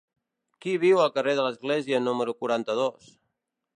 Qui viu al carrer de l'Església número quaranta-dos?